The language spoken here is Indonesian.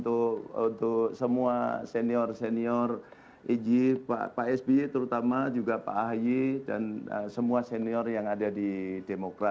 untuk semua senior senior ig pak sby terutama juga pak ahy dan semua senior yang ada di demokrat